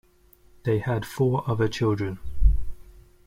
They had four other children.